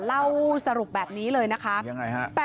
เล่าสรุปแบบนี้เลยนะคะ